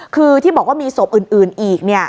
คือที่บอกว่ามีศพอื่นอีกเนี่ย